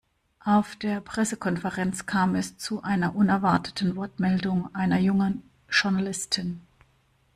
Auf der Pressekonferenz kam es zu einer unerwarteten Wortmeldung einer jungen Journalistin.